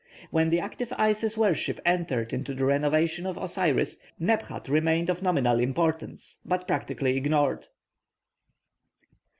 When the active Isis worship entered into the renovation of Osiris, Nebhat remained of nominal importance, but practically ignored.